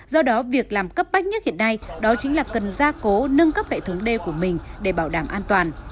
do đó việc làm cấp bách nhất hiện nay đó chính là cần gia cố nâng cấp hệ thống đê của mình để bảo đảm an toàn